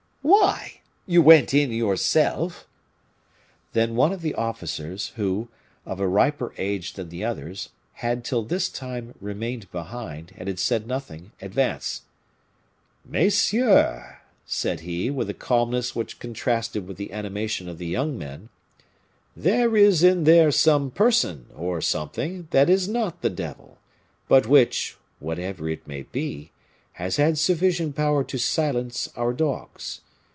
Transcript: "Why, you went in yourself." Then one of the officers, who of a riper age than the others had till this time remained behind, and had said nothing, advanced. "Messieurs," said he, with a calmness which contrasted with the animation of the young men, "there is in there some person, or something, that is not the devil; but which, whatever it may be, has had sufficient power to silence our dogs.